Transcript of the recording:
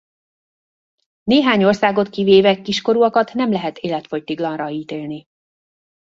Néhány országot kivéve kiskorúakat nem lehet életfogytiglanra ítélni.